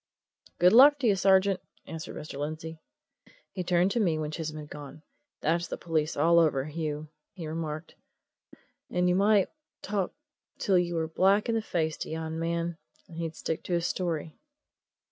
"Good luck to you, sergeant!" answered Mr. Lindsey. He turned to me when Chisholm had gone. "That's the police all over, Hugh," he remarked. "And you might talk till you were black in the face to yon man, and he'd stick to his story."